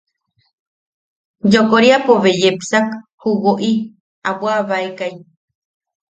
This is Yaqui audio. Yokoriapo bea yepsak ju woʼi a bwaʼabaekai.